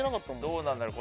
どうなんだろう？